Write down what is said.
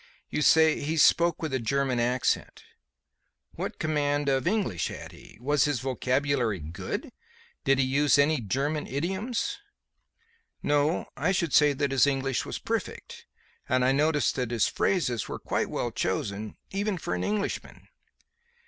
You say he spoke with a German accent. What command of English had he? Was his vocabulary good? Did he use any German idioms?" "No. I should say that his English was perfect, and I noticed that his phrases were quite well chosen even for an Englishman."